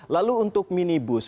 lalu untuk minibus